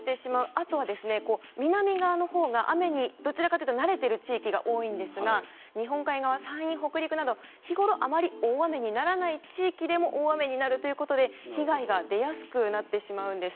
あとは、南側のほうがどちらかというと雨に慣れている地域が多いんですが日本海側、山陰・北陸など日ごろ、あまり大雨にならない地域でも大雨になるということで被害が出やすくなってしまうんです。